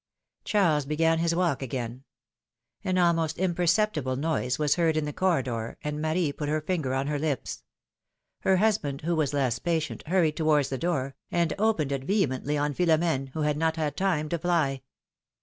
^' Charles began his walk again. An almost imperceptible noise was heard in the corridor, and Marie put her finger on her lips ; her husband, who was less patient, hurried towards the door, and opened it vehemently on Philo m^ne, who had not had time to fly.